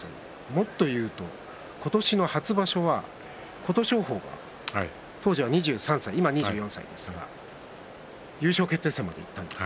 もっと言うと今年の初場所は琴勝峰は当時は２３歳、今は２４歳ですが優勝決定戦までいったんです。